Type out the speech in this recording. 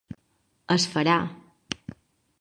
Es farà!